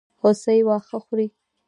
هوسۍ واښه خوري.